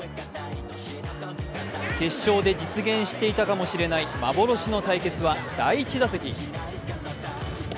決勝で実現していたかもしれない幻の対決は第１打席。